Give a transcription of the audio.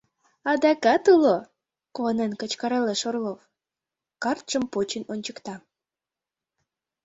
— Адакат уло, — куанен кычкыралеш Орлов, картшым почын ончыкта.